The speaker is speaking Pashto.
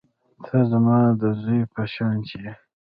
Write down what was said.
ته زما د زوى په شانتې يې.